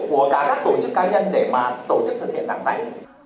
của cả các tổ chức cá nhân để mà tổ chức thực hiện đáng giải